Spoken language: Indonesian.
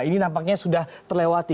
ini nampaknya sudah terlewati